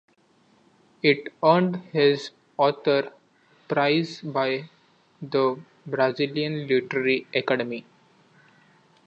It earned his author a prize by the Brazilian Literary Academy.